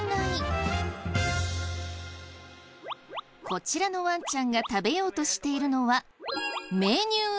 こちらのワンちゃんが食べようとしているのは。